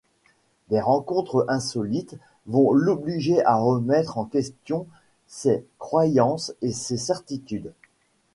Des rencontres insolites vont l’obliger à remettre en question ses croyances et ses certitudes.